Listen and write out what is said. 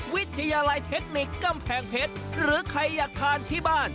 วิทยาลัยเทคนิคกำแพงเพชรหรือใครอยากทานที่บ้าน